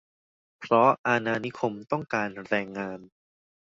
เพราะอาณานิคมต้องการแรงงาน